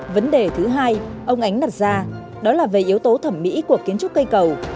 vấn đề thứ hai ông ánh đặt ra đó là về yếu tố thẩm mỹ của kiến trúc cây cầu